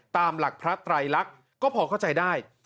ตามหลักพระไตรลักษณ์ก็พอเข้าใจได้